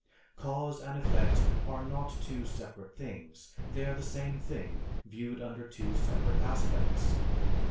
"Cause and effect are not two separate things, they are the same thing viewed under two separate aspects....